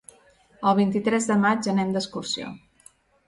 El vint-i-tres de maig anem d'excursió.